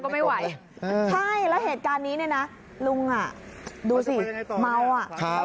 ใช่แล้วเหตุการณ์นี้ลุงดูสิเมา